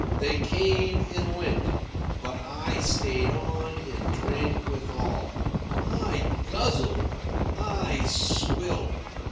They came and went, but I stayed on and drank with all. I guzzled. I swilled.